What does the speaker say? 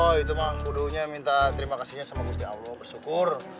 oh itu mah kudunya minta terima kasihnya sama gus ya allah bersyukur